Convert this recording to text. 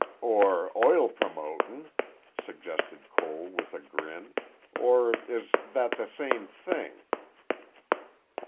"Or oil promotin'," suggested Cole with a grin. "Or is that the same thing?"